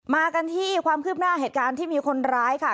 มากันที่ความคืบหน้าเหตุการณ์ที่มีคนร้ายค่ะ